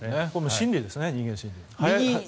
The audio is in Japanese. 心理ですね、人間心理。